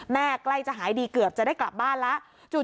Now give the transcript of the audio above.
ใกล้จะหายดีเกือบจะได้กลับบ้านแล้ว